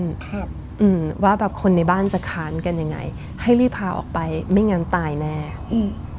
ครับอืมว่าแบบคนในบ้านจะค้านกันยังไงให้รีบพาออกไปไม่งั้นตายแน่อืม